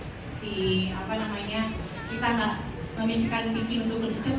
sebenarnya pas banget ya